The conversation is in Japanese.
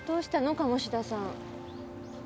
鴨志田さん。